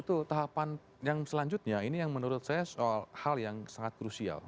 itu tahapan yang selanjutnya ini yang menurut saya hal yang sangat krusial